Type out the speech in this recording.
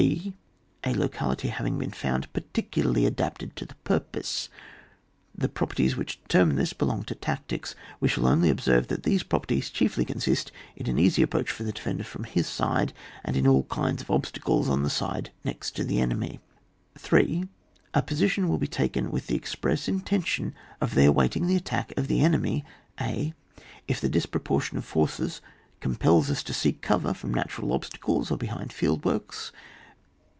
hf a locality having been found fparti cularly adapted to the purpose. The properties which determine this belong to tactics; we shall only observe that these properties chiefly consist in an easy approach for the defender from his side, and in all kinds of obstacles on the side next to the enemy. 3. A position will be taken with the express intention of there waiting the attack of the enemy — a. If the disproportion of forces com pels us to seek cover from natural ob stacles or behind field works.